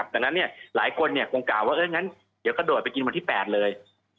ดังนั้นหลายคนคงกล่าวว่างั้นเดี๋ยวกระโดดไปกินวันที่๘เลย